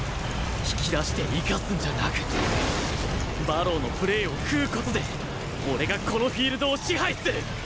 引き出して生かすんじゃなく馬狼のプレーを喰う事で俺がこのフィールドを支配する！